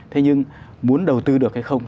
thế nhưng muốn đầu tư được hay không